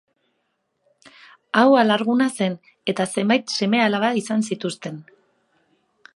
Hau alarguna zen eta zenbait seme-alaba izan zituzten.